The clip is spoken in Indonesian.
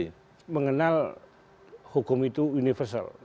kami mengenal hukum itu universal